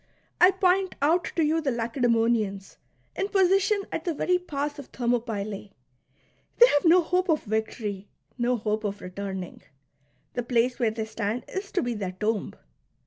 I point out to you the Lacedaemonians in position at the very pass of Thermopylae ! They have no hope of victory, no hope of retui ning. The place where they stand is to be their tomb.